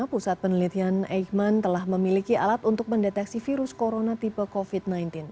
pusat penelitian eijkman telah memiliki alat untuk mendeteksi virus corona tipe covid sembilan belas